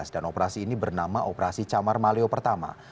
dan operasi ini bernama operasi pengejaran santoso